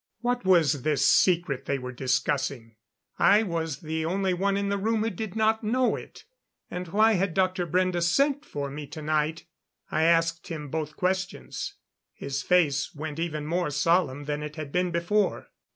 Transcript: What was this secret they were discussing? I was the only one in the room who did not know it. And why had Dr. Brende sent for me tonight? I asked him both questions. His face went even more solemn than it had been before.